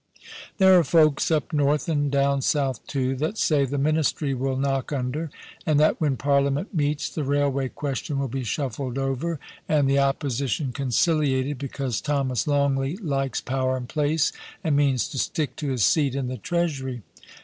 * There are folks up north, and down south too, that say the Ministry will knock under, and that when Parliament meets the Railway question will be shuflled over, and the Opposition conciliated, because Thomas Longleat likes power and place, and means to stick to his seat in the Treasury.